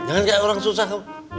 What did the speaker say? jangan kayak orang susah